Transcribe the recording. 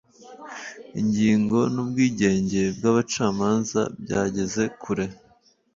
Ingingo n’ubwigenge bw ‘abacamanza byageze kure.